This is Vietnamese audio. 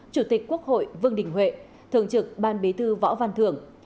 chủ tịch quốc hội vương đình huệ thường trực ban bí thư võ văn thưởng